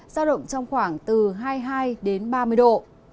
giao động trong khoảng từ hai mươi hai đến ba mươi độ